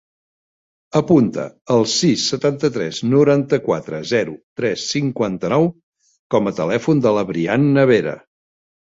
Apunta el sis, setanta-tres, noranta-quatre, zero, tres, cinquanta-nou com a telèfon de la Brianna Vera.